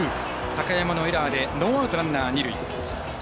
高山のエラーでノーアウト、ランナー、二塁。